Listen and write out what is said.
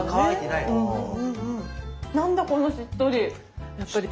なんだこのしっとり。